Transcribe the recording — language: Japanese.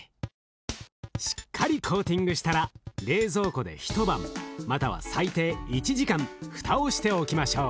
しっかりコーティングしたら冷蔵庫で一晩または最低１時間蓋をしておきましょう。